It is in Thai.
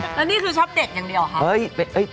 แล้วนี่คือชอบเด็กอย่างเดียวเหรอคะ